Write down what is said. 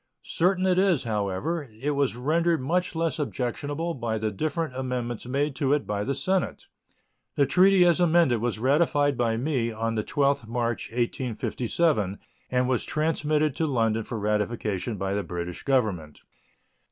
Certain it is, however, it was rendered much less objectionable by the different amendments made to it by the Senate. The treaty as amended was ratified by me on the 12th March, 1857, and was transmitted to London for ratification by the British Government.